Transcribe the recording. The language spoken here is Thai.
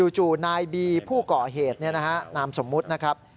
จู่นายบีผู้ก่อเหตุนามสมมุตินะครับ